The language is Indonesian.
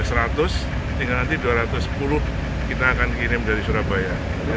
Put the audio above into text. sehingga nanti dua ratus sepuluh kita akan kirim dari surabaya